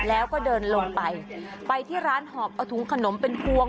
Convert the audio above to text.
แล้วก็เดินลงไปไปที่ร้านหอบเอาถุงขนมเป็นพวง